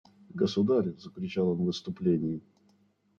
«Государь! – закричал он в исступлении.